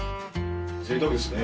ぜいたくですね。